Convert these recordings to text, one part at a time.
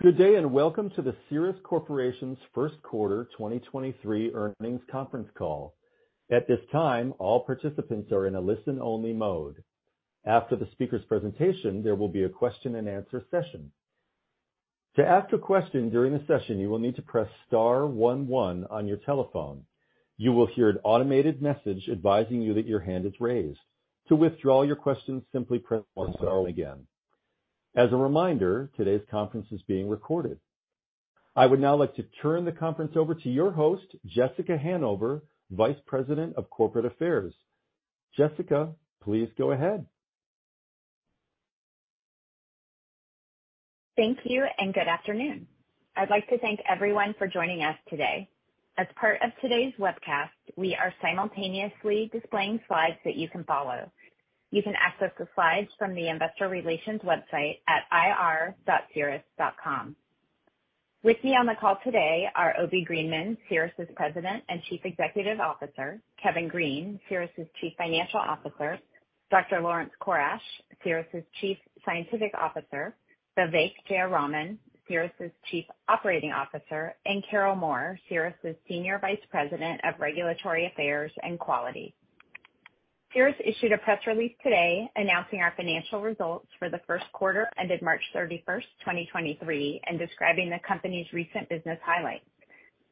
Welcome to the Cerus Corporation's Q1 2023 earnings Conference Call. At this time, all participants are in a listen-only mode. After the speaker's presentation, there will be a question-and-answer session. To ask a question during the session, you will need to press star 11 on your telephone. You will hear an automated message advising you that your hand is raised. To withdraw your question, simply press 10 again. As a reminder, today's conference is being recorded. I would now like to turn the conference over to your host, Jessica Hanover, Vice President of Corporate Affairs. Jessica, please go ahead. Thank you, and good afternoon. I'd like to thank everyone for joining us today. As part of today's webcast, we are simultaneously displaying slides that you can follow. You can access the slides from the investor relations website at ir.cerus.com. With me on the call today are Obi Greenman, Cerus' President and Chief Executive Officer, Kevin Green, Cerus' Chief Financial Officer, Dr. Laurence Corash, Cerus' Chief Scientific Officer, Vivek Jayaraman, Cerus' Chief Operating Officer, and Carol Moore, Cerus' Senior Vice President of Regulatory Affairs and Quality. Cerus issued a press release today announcing our financial results for the Q1 ended March 31st, 2023, and describing the company's recent business highlights.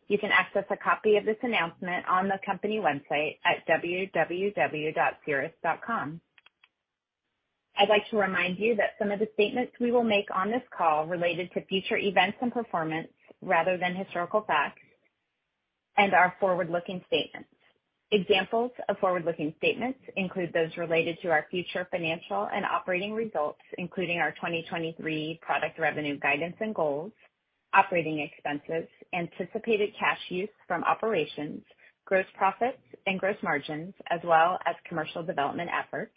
You can access a copy of this announcement on the company website at www.cerus.com. I'd like to remind you that some of the statements we will make on this call related to future events and performance rather than historical facts and are forward-looking statements. Examples of forward-looking statements include those related to our future financial and operating results, including our 2023 product revenue guidance and goals, operating expenses, anticipated cash use from operations, gross profits and gross margins, as well as commercial development efforts,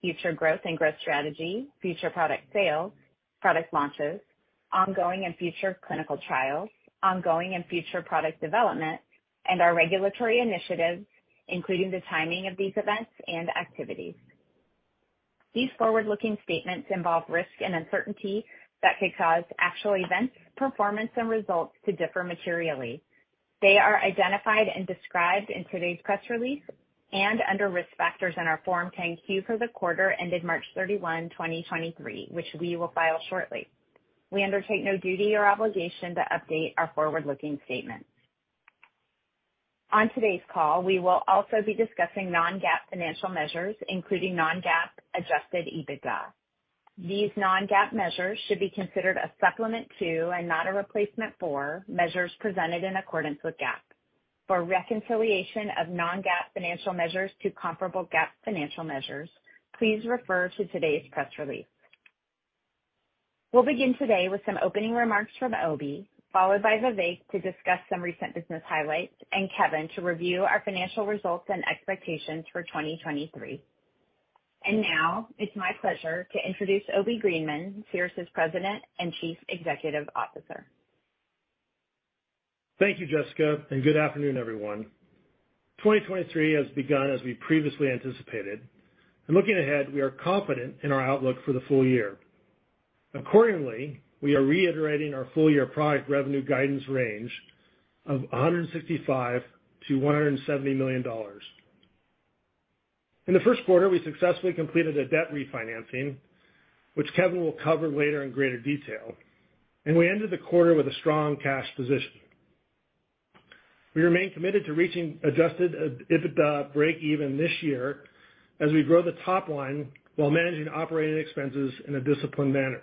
future growth and growth strategy, future product sales, product launches, ongoing and future clinical trials, ongoing and future product development, and our regulatory initiatives, including the timing of these events and activities. These forward-looking statements involve risk and uncertainty that could cause actual events, performance and results to differ materially. They are identified and described in today's press release and under Risk Factors in our Form 10-Q for the quarter ended March 31, 2023, which we will file shortly. We undertake no duty or obligation to update our forward-looking statements. On today's call, we will also be discussing non-GAAP financial measures, including non-GAAP adjusted EBITDA. These non-GAAP measures should be considered a supplement to, and not a replacement for, measures presented in accordance with GAAP. For reconciliation of non-GAAP financial measures to comparable GAAP financial measures, please refer to today's press release. We'll begin today with some opening remarks from Obi, followed by Vivek to discuss some recent business highlights, and Kevin to review our financial results and expectations for 2023. Now it's my pleasure to introduce Obi Greenman, Cerus' President and Chief Executive Officer. Thank you, Jessica, and good afternoon, everyone. 2023 has begun as we previously anticipated, and looking ahead, we are confident in our outlook for the full year. Accordingly, we are reiterating our full-year product revenue guidance range of $165 million-$170 million. In the Q1, we successfully completed a debt refinancing, which Kevin will cover later in greater detail, and we ended the quarter with a strong cash position. We remain committed to reaching adjusted EBITDA breakeven this year as we grow the top line while managing operating expenses in a disciplined manner.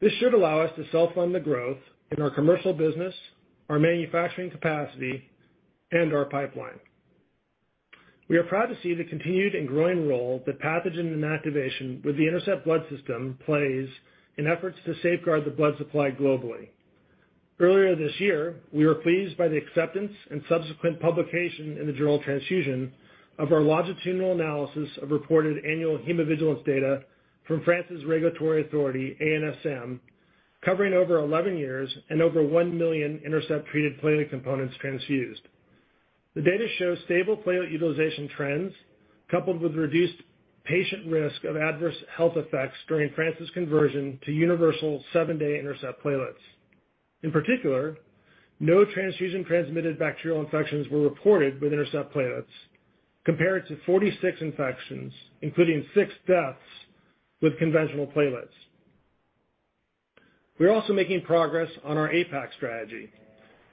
This should allow us to self-fund the growth in our commercial business, our manufacturing capacity, and our pipeline. We are proud to see the continued and growing role that pathogen inactivation with the INTERCEPT Blood System plays in efforts to safeguard the blood supply globally. Earlier this year, we were pleased by the acceptance and subsequent publication in the Journal of Transfusion of our longitudinal analysis of reported annual hemovigilance data from France's regulatory authority, ANSM, covering over 11 years and over 1 million INTERCEPT-treated platelet components transfused. The data shows stable platelet utilization trends coupled with reduced patient risk of adverse health effects during France's conversion to universal 7-day INTERCEPT platelets. In particular, no transfusion-transmitted bacterial infections were reported with INTERCEPT platelets, compared to 46 infections, including 6 deaths, with conventional platelets. We are also making progress on our APAC strategy.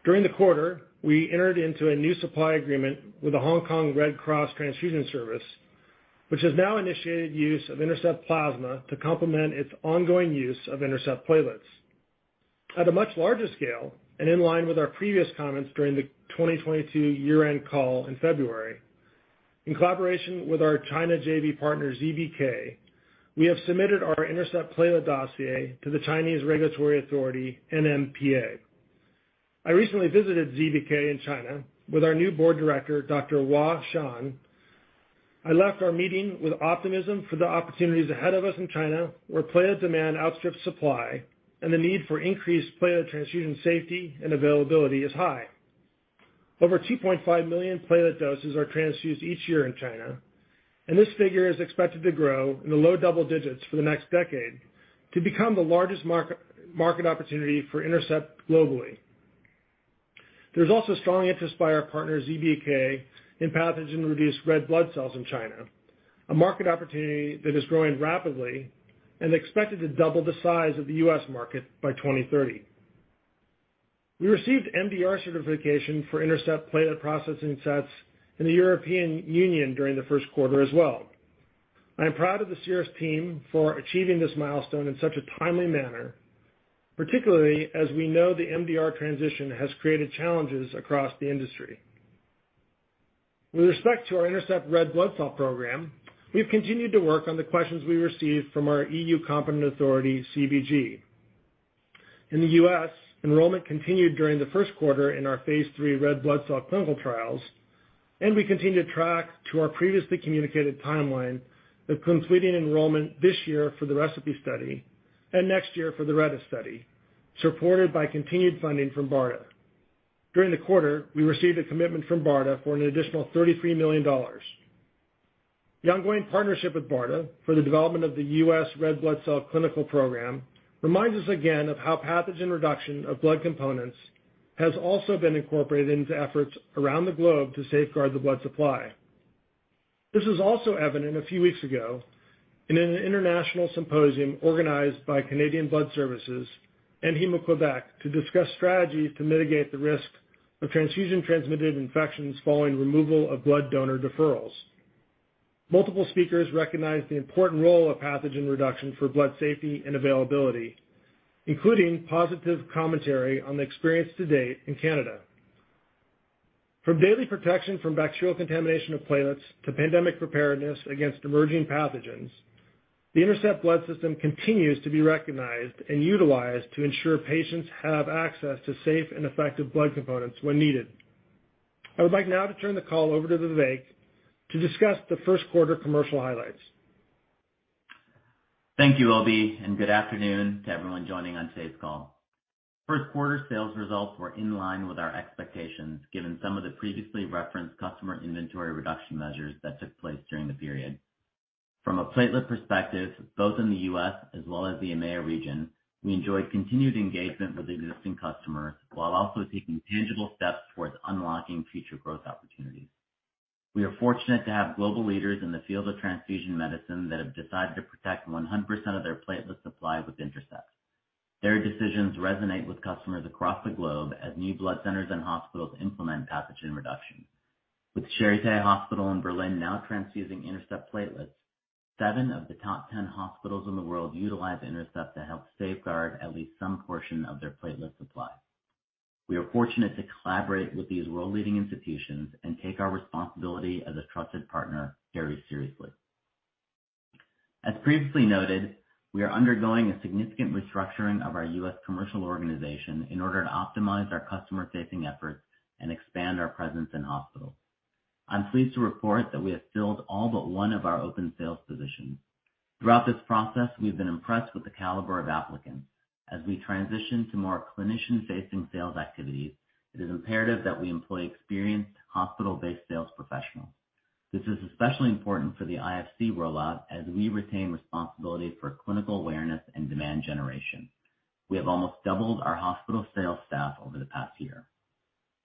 During the quarter, we entered into a new supply agreement with the Hong Kong Red Cross Blood Transfusion Service, which has now initiated use of INTERCEPT plasma to complement its ongoing use of INTERCEPT platelets. At a much larger scale, and in line with our previous comments during the 2022 year-end call in February, in collaboration with our China JV partner, ZBK, we have submitted our INTERCEPT platelet dossier to the Chinese regulatory authority, NMPA. I recently visited ZBK in China with our new Board Director, Dr. Hua Shan. I left our meeting with optimism for the opportunities ahead of us in China, where platelet demand outstrips supply and the need for increased platelet transfusion safety and availability is high. Over 2.5 million platelet doses are transfused each year in China, and this figure is expected to grow in the low double digits for the next decade to become the largest market opportunity for INTERCEPT globally. There's also strong interest by our partner, ZBK, in pathogen-reduced red blood cells in China, a market opportunity that is growing rapidly and expected to double the size of the U.S. market by 2030. We received MDR certification for INTERCEPT platelet processing sets in the European Union during the Q1 as well. I am proud of the Cerus team for achieving this milestone in such a timely manner, particularly as we know the MDR transition has created challenges across the industry. With respect to our INTERCEPT red blood cell program, we've continued to work on the questions we received from our EU competent authority, CBG. In the U.S., enrollment continued during the Q1 in our phase 3 red blood cell clinical trials. We continue to track to our previously communicated timeline of completing enrollment this year for the ReCePI study and next year for the RedeS study, supported by continued funding from BARDA. During the quarter, we received a commitment from BARDA for an additional $33 million. The ongoing partnership with BARDA for the development of the U.S. red blood cell clinical program reminds us again of how pathogen reduction of blood components has also been incorporated into efforts around the globe to safeguard the blood supply. This is also evident a few weeks ago in an international symposium organized by Canadian Blood Services and Héma-Québec to discuss strategies to mitigate the risk of transfusion-transmitted infections following removal of blood donor deferrals. Multiple speakers recognized the important role of pathogen reduction for blood safety and availability, including positive commentary on the experience to date in Canada. From daily protection from bacterial contamination of platelets to pandemic preparedness against emerging pathogens, the INTERCEPT Blood System continues to be recognized and utilized to ensure patients have access to safe and effective blood components when needed. I would like now to turn the call over to Vivek to discuss the Q1 commercial highlights. Thank you, Obi. Good afternoon to everyone joining on today's call. Q1 sales results were in line with our expectations, given some of the previously referenced customer inventory reduction measures that took place during the period. From a platelet perspective, both in the U.S. as well as the EMEA region, we enjoyed continued engagement with existing customers while also taking tangible steps towards unlocking future growth opportunities. We are fortunate to have global leaders in the field of transfusion medicine that have decided to protect 100% of their platelet supply with INTERCEPT. Their decisions resonate with customers across the globe as new blood centers and hospitals implement pathogen reduction. With Charité Hospital in Berlin now transfusing INTERCEPT platelets, 7 of the top 10 hospitals in the world utilize INTERCEPT to help safeguard at least some portion of their platelet supply. We are fortunate to collaborate with these world-leading institutions and take our responsibility as a trusted partner very seriously. As previously noted, we are undergoing a significant restructuring of our U.S. commercial organization in order to optimize our customer-facing efforts and expand our presence in hospitals. I'm pleased to report that we have filled all but one of our open sales positions. Throughout this process, we've been impressed with the caliber of applicants. As we transition to more clinician-facing sales activities, it is imperative that we employ experienced hospital-based sales professionals. This is especially important for the IFC rollout as we retain responsibility for clinical awareness and demand generation. We have almost doubled our hospital sales staff over the past year.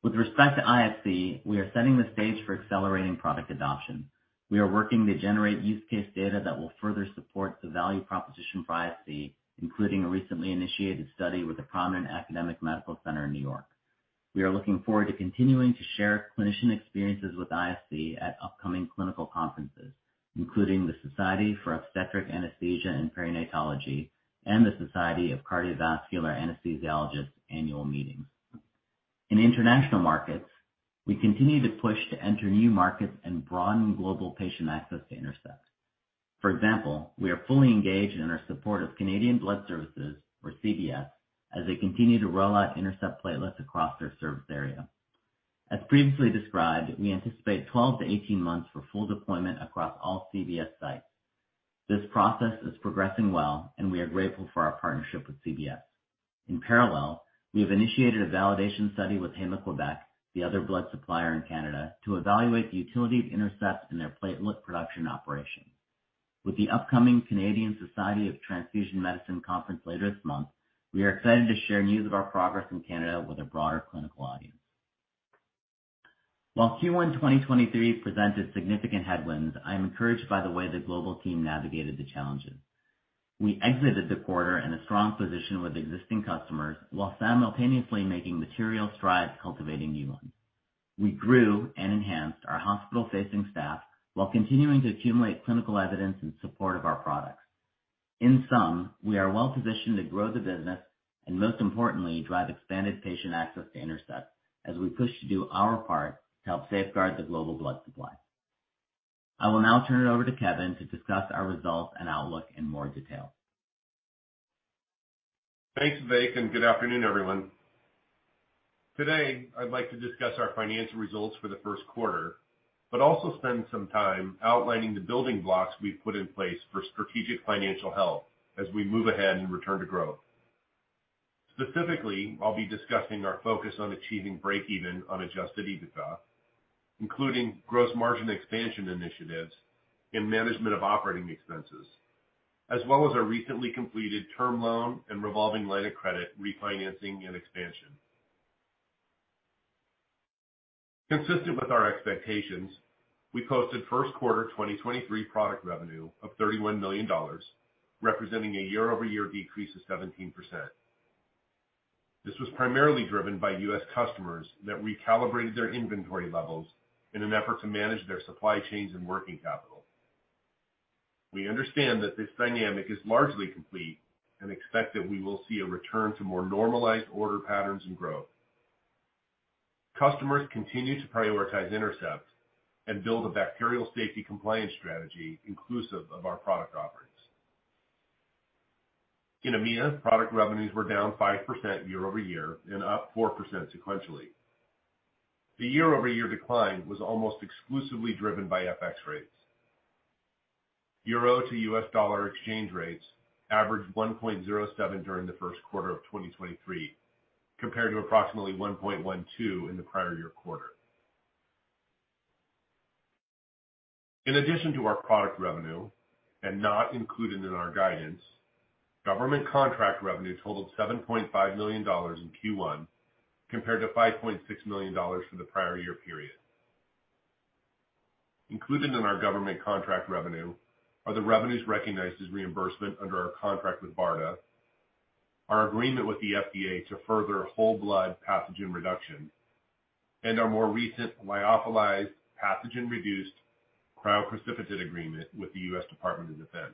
With respect to IFC, we are setting the stage for accelerating product adoption. We are working to generate use case data that will further support the value proposition for IFC, including a recently initiated study with a prominent academic medical center in New York. We are looking forward to continuing to share clinician experiences with IFC at upcoming clinical conferences, including the Society for Obstetric Anesthesia and Perinatology and the Society of Cardiovascular Anesthesiologists annual meetings. In international markets, we continue to push to enter new markets and broaden global patient access to INTERCEPT. For example, we are fully engaged in our support of Canadian Blood Services, or CBS, as they continue to roll out INTERCEPT platelets across their service area. As previously described, we anticipate 12 to 18 months for full deployment across all CBS sites. This process is progressing well, and we are grateful for our partnership with CBS. In parallel, we have initiated a validation study with Héma-Québec, the other blood supplier in Canada, to evaluate the utility of INTERCEPT in their platelet production operation. With the upcoming Canadian Society for Transfusion Medicine conference later this month, we are excited to share news of our progress in Canada with a broader clinical audience. While Q1 2023 presented significant headwinds, I am encouraged by the way the global team navigated the challenges. We exited the quarter in a strong position with existing customers while simultaneously making material strides cultivating new ones. We grew and enhanced our hospital-facing staff while continuing to accumulate clinical evidence in support of our products. In sum, we are well-positioned to grow the business and most importantly, drive expanded patient access to INTERCEPT as we push to do our part to help safeguard the global blood supply. I will now turn it over to Kevin to discuss our results and outlook in more detail. Thanks, Vivek. Good afternoon, everyone. Today, I'd like to discuss our financial results for the Q1, but also spend some time outlining the building blocks we've put in place for strategic financial health as we move ahead and return to growth. Specifically, I'll be discussing our focus on achieving breakeven on adjusted EBITDA, including gross margin expansion initiatives and management of operating expenses, as well as our recently completed term loan and revolving line of credit refinancing and expansion. Consistent with our expectations, we posted Q1 2023 product revenue of $31 million, representing a year-over-year decrease of 17%. This was primarily driven by U.S. customers that recalibrated their inventory levels in an effort to manage their supply chains and working capital. We understand that this dynamic is largely complete and expect that we will see a return to more normalized order patterns and growth. Customers continue to prioritize INTERCEPT and build a bacterial safety compliance strategy inclusive of our product offerings. In EMEA, product revenues were down 5% year-over-year and up 4% sequentially. The year-over-year decline was almost exclusively driven by FX rates. EUR to U.S. dollar exchange rates averaged 1.07 during the Q1 of 2023, compared to approximately 1.12 in the prior year quarter. In addition to our product revenue, and not included in our guidance, government contract revenue totaled $7.5 million in Q1, compared to $5.6 million from the prior year period. Included in our government contract revenue are the revenues recognized as reimbursement under our contract with BARDA, our agreement with the FDA to further whole blood pathogen reduction, and our more recent Lyophilized Pathogen-Reduced Cryoprecipitate agreement with the U.S. Department of Defense.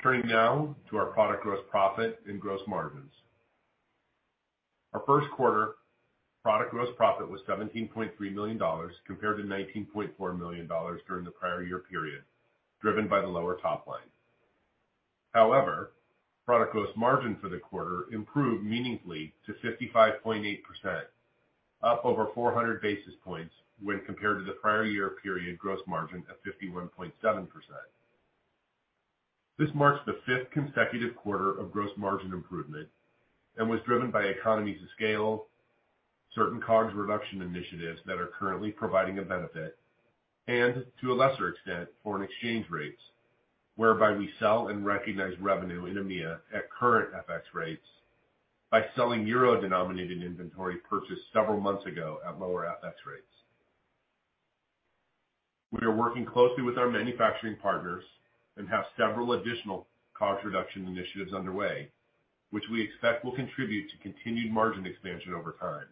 Turning now to our product gross profit and gross margins. Our Q1 product gross profit was $17.3 million, compared to $19.4 million during the prior year period, driven by the lower top line. Product gross margin for the quarter improved meaningfully to 55.8%, up over 400 basis points when compared to the prior year period gross margin of 51.7%. This marks the fifth consecutive quarter of gross margin improvement and was driven by economies of scale, certain COGS reduction initiatives that are currently providing a benefit, and to a lesser extent, foreign exchange rates, whereby we sell and recognize revenue in EMEA at current FX rates by selling euro-denominated inventory purchased several months ago at lower FX rates. We are working closely with our manufacturing partners and have several additional cost reduction initiatives underway, which we expect will contribute to continued margin expansion over time.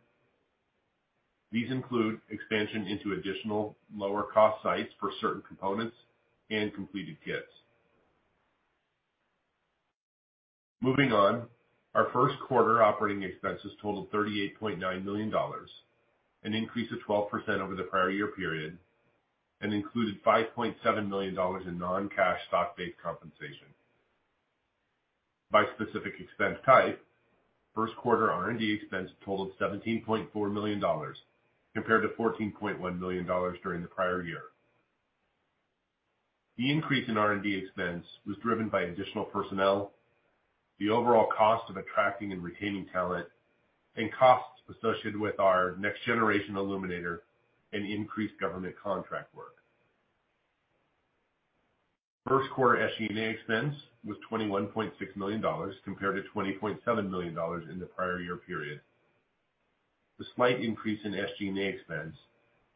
These include expansion into additional lower-cost sites for certain components and completed kits. Moving on, our Q1 operating expenses totaled $38.9 million, an increase of 12 percent over the prior year period, and included $5.7 million in non-cash stock-based compensation. By specific expense type, Q1 R&D expense totaled $17.4 million, compared to $14.1 million during the prior year. The increase in R&D expense was driven by additional personnel, the overall cost of attracting and retaining talent, and costs associated with our next-generation illuminator and increased government contract work. Q1 SG&A expense was $21.6 million, compared to $20.7 million in the prior year period. The slight increase in SG&A expense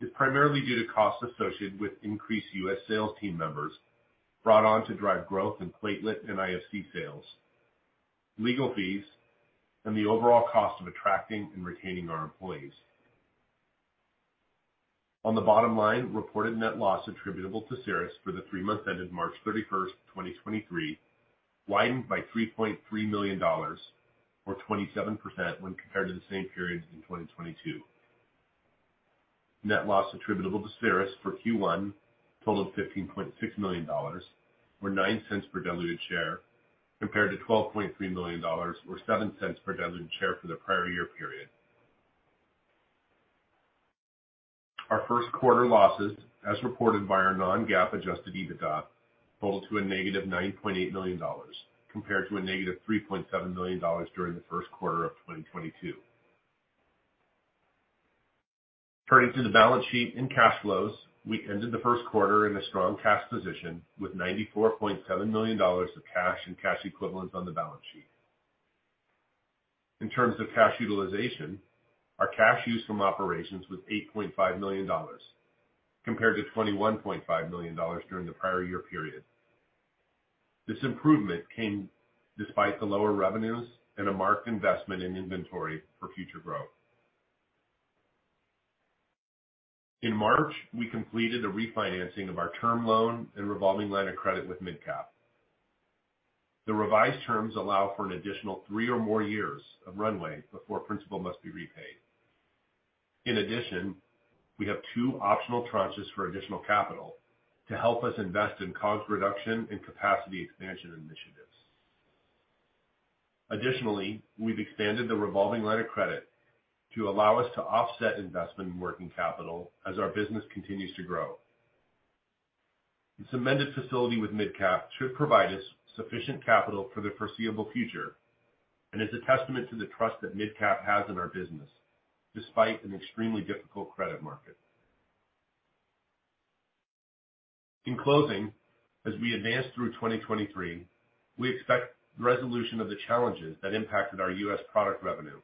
is primarily due to costs associated with increased U.S. sales team members brought on to drive growth in platelet and IFC sales, legal fees, and the overall cost of attracting and retaining our employees. On the bottom line, reported net loss attributable to Cerus for the 3 months ended March 31, 2023, widened by $3.3 million, or 27% when compared to the same period in 2022. Net loss attributable to Cerus for Q1 totaled $15.6 million, or $0.09 per diluted share, compared to $12.3 million, or $0.07 per diluted share for the prior year period. Our Q1 losses, as reported by our non-GAAP adjusted EBITDA, totaled to -$9.8 million, compared to -$3.7 million during the Q1 of 2022. Turning to the balance sheet and cash flows, we ended the Q1 in a strong cash position with $94.7 million of cash and cash equivalents on the balance sheet. In terms of cash utilization, our cash use from operations was $8.5 million, compared to $21.5 million during the prior year period. This improvement came despite the lower revenues and a marked investment in inventory for future growth. In March, we completed a refinancing of our term loan and revolving line of credit with MidCap. The revised terms allow for an additional three or more years of runway before principal must be repaid. In addition, we have 2 optional tranches for additional capital to help us invest in cost reduction and capacity expansion initiatives. Additionally, we've expanded the revolving line of credit to allow us to offset investment in working capital as our business continues to grow. This amended facility with MidCap should provide us sufficient capital for the foreseeable future and is a testament to the trust that MidCap has in our business despite an extremely difficult credit market. In closing, as we advance through 2023, we expect resolution of the challenges that impacted our U.S. product revenue,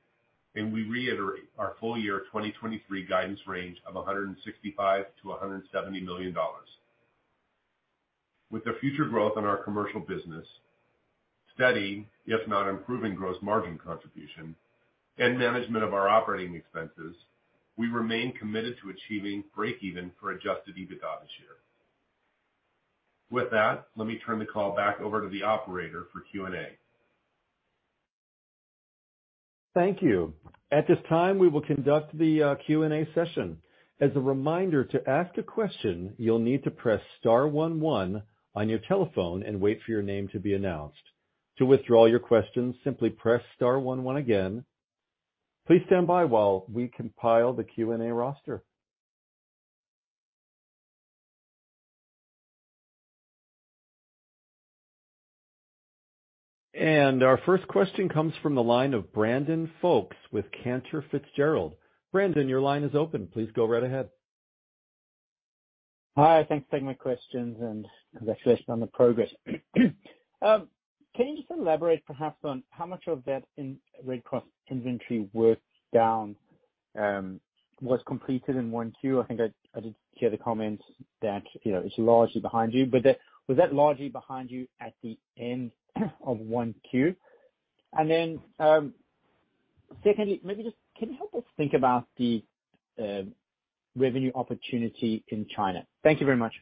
and we reiterate our full-year 2023 guidance range of $165 million-$170 million. With the future growth in our commercial business steady, if not improving gross margin contribution and management of our operating expenses, we remain committed to achieving breakeven for adjusted EBITDA this year. With that, let me turn the call back over to the operator for Q&A. Thank you. At this time, we will conduct the Q&A session. As a reminder, to ask a question, you'll need to press star one one on your telephone and wait for your name to be announced. To withdraw your question, simply press star one one again. Please stand by while we compile the Q&A roster. Our first question comes from the line of Brandon Folkes with Cantor Fitzgerald. Brandon, your line is open. Please go right ahead. Hi, thanks for taking my questions and congratulations on the progress. Can you just elaborate perhaps on how much of that in Red Cross inventory worked down was completed in Q1? I think I did hear the comments that, you know, it's largely behind you, but that, was that largely behind you at the end of Q1? Secondly, maybe just can you help us think about the revenue opportunity in China? Thank you very much.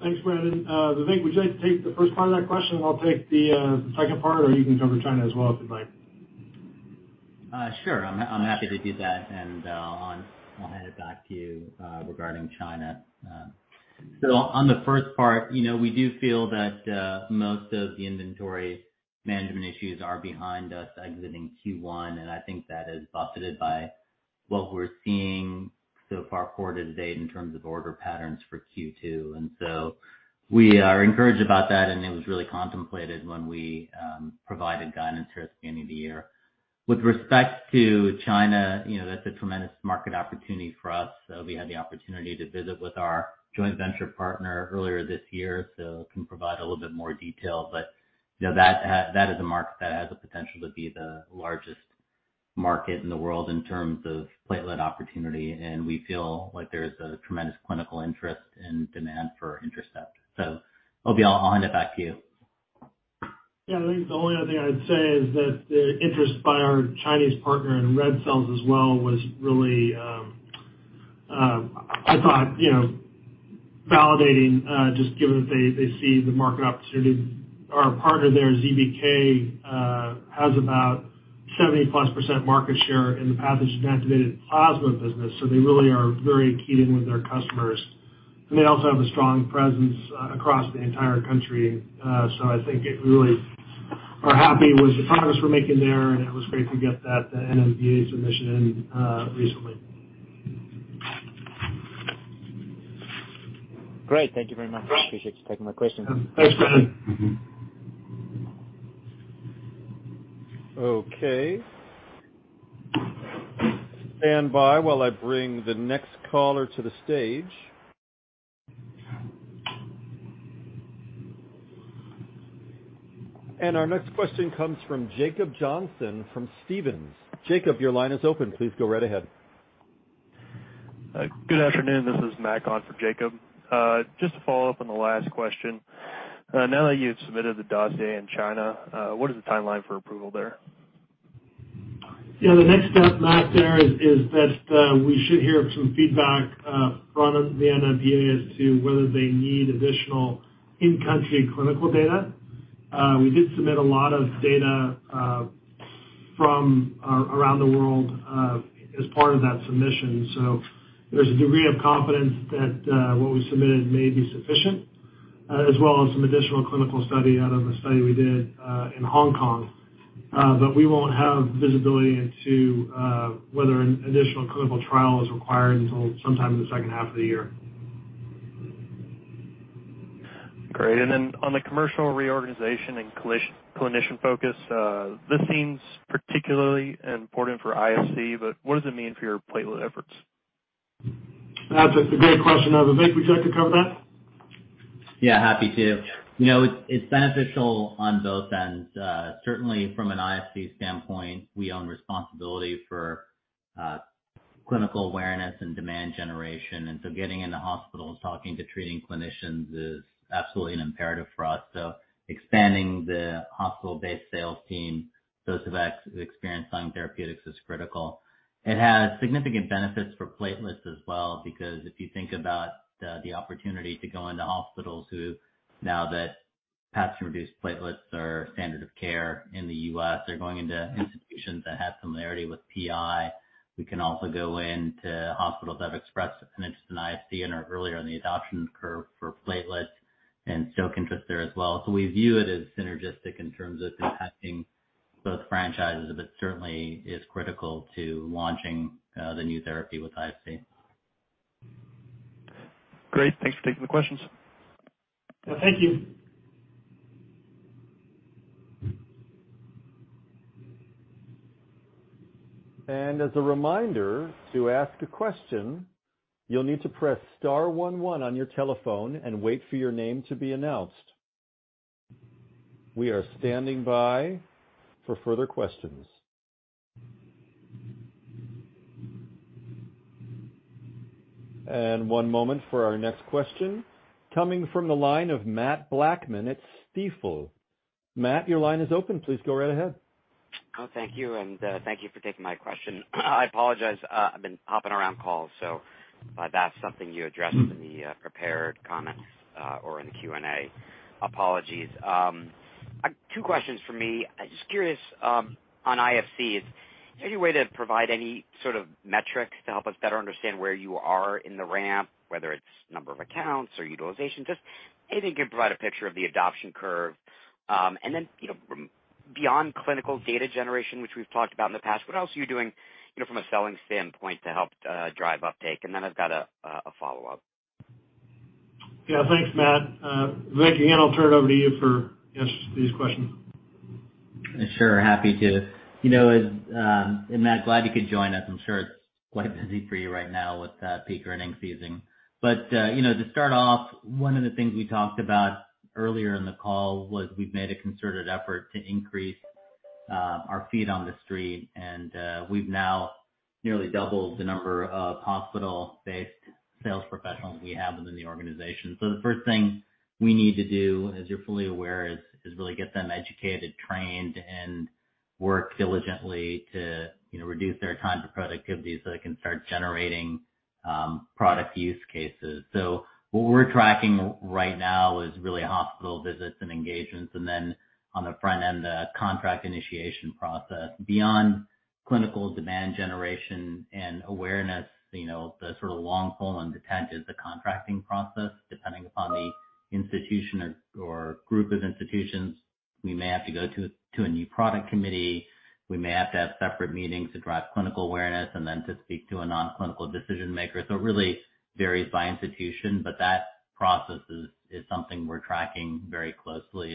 Thanks, Brandon. Vivek, would you like to take the first part of that question and I'll take the second part, or you can cover China as well if you'd like. Sure. I'm happy to do that, and I'll hand it back to you regarding China. On the first part, you know, we do feel that most of the inventory management issues are behind us exiting Q1, and I think that is buffeted by what we're seeing so far quarter to date in terms of order patterns for Q2. We are encouraged about that, and it was really contemplated when we provided guidance here at the beginning of the year. With respect to China, you know, that's a tremendous market opportunity for us. We had the opportunity to visit with our joint venture partner earlier this year, so can provide a little bit more detail. you know, that is a market that has the potential to be the largest market in the world in terms of platelet opportunity, and we feel like there's a tremendous clinical interest and demand for INTERCEPT. Obi, I'll hand it back to you. I think the only other thing I'd say is that the interest by our Chinese partner in red cells as well was really, I thought, you know, validating, just given that they see the market opportunity. Our partner there, ZBK, has about 70%+ market share in the pathogen-activated plasma business, so they really are very keyed in with their customers. They also have a strong presence across the entire country. I think it really are happy with the progress we're making there and it was great to get the NMPA submission in recently. Great. Thank you very much. Appreciate you taking my question. Thanks, Brandon. Mm-hmm. Okay. Stand by while I bring the next caller to the stage. Our next question comes from Jacob Johnson, from Stephens. Jacob, your line is open. Please go right ahead. Good afternoon. This is Matt on for Jacob. Just to follow up on the last question. Now that you've submitted the dossier in China, what is the timeline for approval there? The next step, Matt, there is that we should hear some feedback from the NMPA as to whether they need additional in-country clinical data. We did submit a lot of data from around the world as part of that submission. There's a degree of confidence that what we submitted may be sufficient as well as some additional clinical study out of a study we did in Hong Kong. We won't have visibility into whether an additional clinical trial is required until sometime in the second half of the year. Great. Then on the commercial reorganization and clinician focus, this seems particularly important for IFC, but what does it mean for your platelet efforts? That's a great question. Vivek, would you like to cover that? Yeah, happy to. You know, it's beneficial on both ends. Certainly from an IFC standpoint, we own responsibility for clinical awareness and demand generation. Getting into hospitals, talking to treating clinicians is absolutely an imperative for us. Expanding the hospital-based sales team, those with experience on therapeutics is critical. It has significant benefits for platelets as well, because if you think about the opportunity to go into hospitals who now that pathogen-reduced platelets are standard of care in U.S. They're going into institutions that have similarity with PI. We can also go into hospitals that have expressed an interest in IFC and are earlier in the adoption curve for platelets and show interest there as well. We view it as synergistic in terms of impacting both franchises, but it certainly is critical to launching the new therapy with IFC. Great. Thanks for taking the questions. Well, thank you. As a reminder, to ask a question, you'll need to press star 11 on your telephone and wait for your name to be announced. We are standing by for further questions. One moment for our next question coming from the line of Matt Blackman at Stifel. Matt, your line is open. Please go right ahead. Thank you, thank you for taking my question. I apologize, I've been hopping around calls. If that's something you addressed in the prepared comments or in the Q&A, apologies. Two questions from me. Just curious, on IFCs, is there any way to provide any sort of metrics to help us better understand where you are in the ramp, whether it's number of accounts or utilization? Just anything can provide a picture of the adoption curve. You know, beyond clinical data generation, which we've talked about in the past, what else are you doing, you know, from a selling standpoint to help drive uptake? I've got a follow-up. Yeah, thanks, Matt. Vivek, again, I'll turn it over to you for answers to these questions. Sure. Happy to. You know, as, and Matt, glad you could join us. I'm sure it's quite busy for you right now with peak earnings season. You know, to start off, one of the things we talked about earlier in the call was we've made a concerted effort to increase our feet on the street. We've now nearly doubled the number of hospital-based sales professionals we have within the organization. The first thing we need to do, as you're fully aware, is really get them educated, trained, and work diligently to, you know, reduce their time to productivity so they can start generating product use cases. What we're tracking right now is really hospital visits and engagements, and then on the front end, the contract initiation process. Beyond clinical demand generation and awareness, you know, the sort of long pole in the tent is the contracting process. Depending upon the institution or group of institutions, we may have to go to a new product committee. We may have to have separate meetings to drive clinical awareness and then to speak to a non-clinical decision-maker. It really varies by institution, but that process is something we're tracking very closely.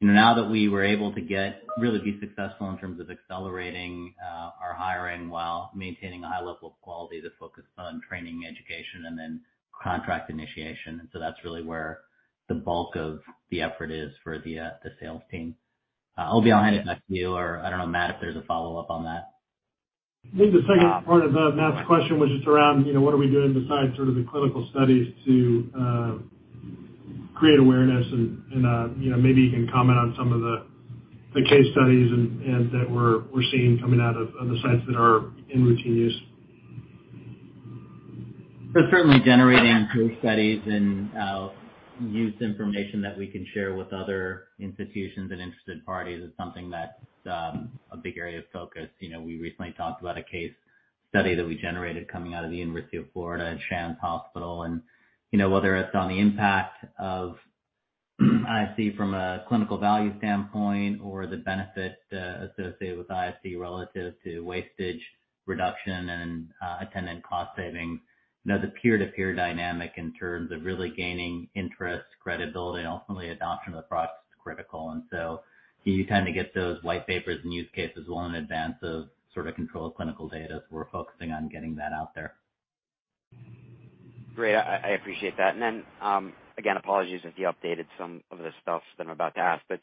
You know, now that we were able to get really be successful in terms of accelerating our hiring while maintaining a high level of quality, the focus is on training, education and then contract initiation. That's really where the bulk of the effort is for the sales team. I'll be honest, Matt, to you or I don't know, Matt, if there's a follow-up on that. I think the second part of Matt's question was just around, you know, what are we doing besides sort of the clinical studies to create awareness and, you know, maybe you can comment on some of the case studies and that we're seeing coming out of the sites that are in routine use. Certainly generating case studies and use information that we can share with other institutions and interested parties is something that's a big area of focus. You know, we recently talked about a case study that we generated coming out of the University of Florida and Shands Hospital. You know, whether it's on the impact of IFC from a clinical value standpoint or the benefit associated with IFC relative to wastage reduction and attendant cost savings, you know, the peer-to-peer dynamic in terms of really gaining interest, credibility and ultimately adoption of the product is critical. You kind of get those white papers and use cases well in advance of sort of controlled clinical data. We're focusing on getting that out there. Great. I appreciate that. Again, apologies if you updated some of the stuff that I'm about to ask, but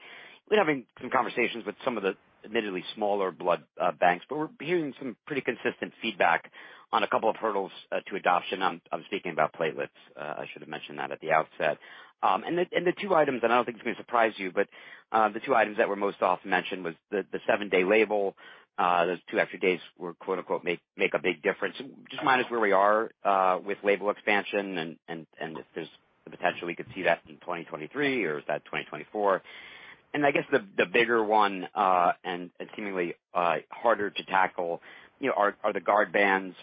we're having some conversations with some of the admittedly smaller blood banks, but we're hearing some pretty consistent feedback on a couple of hurdles to adoption. I'm speaking about platelets. I should have mentioned that at the outset. The 2 items, and I don't think it's gonna surprise you, but the 2 items that were most often mentioned was the 7-day label. Those 2 extra days were quote-unquote, 'Make a big difference.' Just remind us where we are with label expansion and if there's the potential we could see that in 2023 or is that 2024? I guess the bigger one, and seemingly harder to tackle, you know, are the guard bands.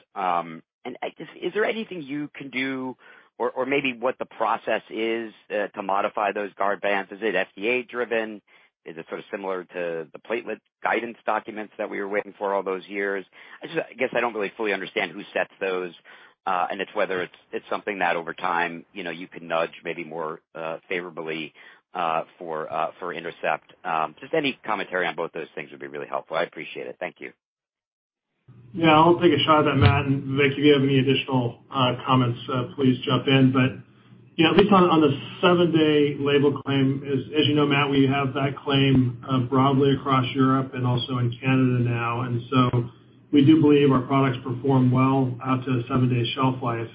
Is there anything you can do or maybe what the process is to modify those guard bands? Is it FDA-driven? Is it sort of similar to the platelet guidance documents that we were waiting for all those years? I don't really fully understand who sets those. It's whether it's something that over time, you know, you can nudge maybe more favorably for INTERCEPT. Just any commentary on both those things would be really helpful. I appreciate it. Thank you. Yeah, I'll take a shot at that, Matt, and Vivek, if you have any additional comments, please jump in. Yeah, at least on the 7-day label claim, as you know, Matt, we have that claim broadly across Europe and also in Canada now. We do believe our products perform well out to a 7-day shelf life.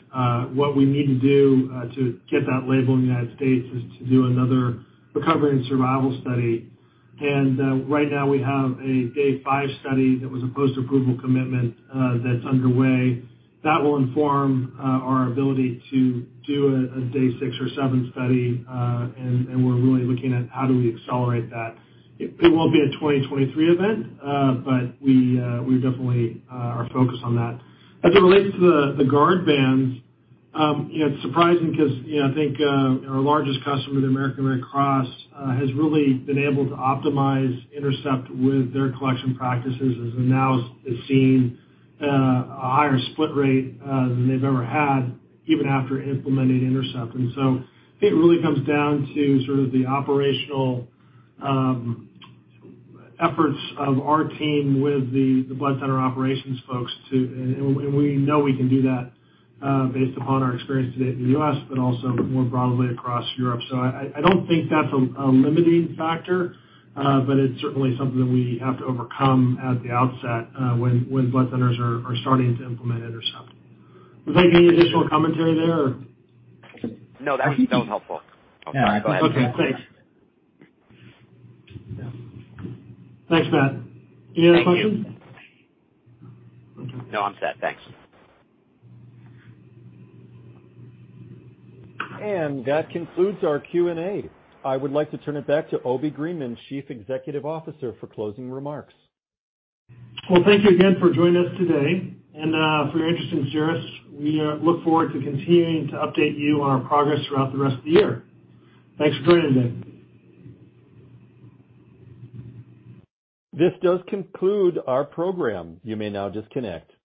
What we need to do to get that label in the United States is to do another recovery and survival study. Right now, we have a Day 5 study that was a post-approval commitment that's underway. That will inform our ability to do a Day 6 or 7 study. And we're really looking at how do we accelerate that. It won't be a 2023 event, but we definitely are focused on that. As it relates to the guard bands, you know, it's surprising because, you know, I think our largest customer, the American Red Cross, has really been able to optimize INTERCEPT with their collection practices and now is seeing a higher split rate than they've ever had, even after implementing INTERCEPT. I think it really comes down to sort of the operational efforts of our team with the blood center operations folks. We know we can do that based upon our experience today in the U.S., but also more broadly across Europe. I don't think that's a limiting factor, but it's certainly something that we have to overcome at the outset, when blood centers are starting to implement INTERCEPT. Vive, any additional commentary there or? No, that's, that was helpful. I'm sorry. Go ahead. Okay, thanks. Thanks, Matt. Any other questions? No, I'm set. Thanks. That concludes our Q&A. I would like to turn it back to Obi Greenman, Chief Executive Officer, for closing remarks. Well, thank you again for joining us today and for your interest in Cerus. We look forward to continuing to update you on our progress throughout the rest of the year. Thanks for joining today. This does conclude our program. You may now disconnect.